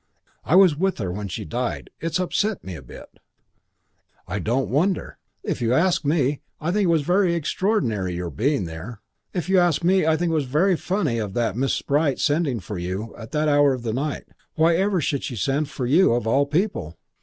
"I was with her when she died. It's upset me a bit." "I don't wonder. If you ask me, I think it was very extraordinary your being there. If you ask me, I think it was very funny of that Miss Bright sending for you at that hour of the night. Whyever should she send for you of all people?"